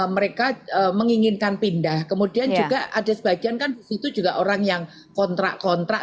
mereka menginginkan pindah kemudian juga ada sebagian kan disitu juga orang yang kontrak kontrak